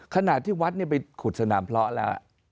ขณะที่วัดนี่ไปขุดสนามพละละ